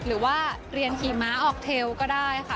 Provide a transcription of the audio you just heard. หรือว่าเรียนขี่ม้าออกเทลก็ได้ค่ะ